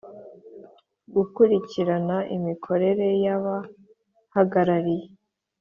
Gukurikirana imikorere y abahagarariye